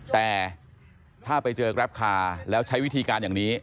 แต่ถ้าไปเจอกราฟคาร์แล้วใช้วิธีการอย่างนี้